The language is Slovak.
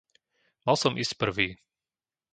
Mal som ísť prvý.